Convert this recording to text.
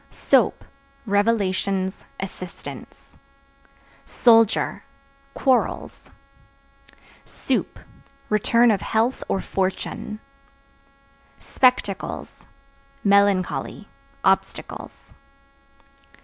Soap Revelations, assistance. Soldier Quarrels. Soup Return of health or fortune. Spectacles Melancholy, obstacles.